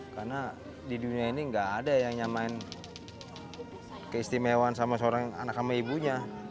karena di dunia ini nggak ada yang nyamain keistimewaan sama seorang anak kami ibunya